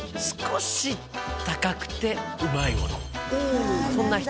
少し高くて旨いもの